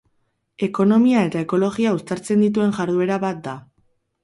Ekonomia eta ekologia uztartzen dituen jarduera bat da.